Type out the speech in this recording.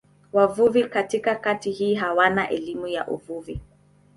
Wavuvi katika kata hii hawana elimu ya uvuvi.